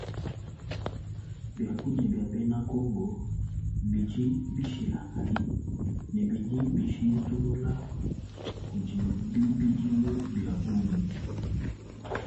Biakudia bia bena congo bidi bishilangane ne bidi bishintulula kudi bibidilu bia bungi.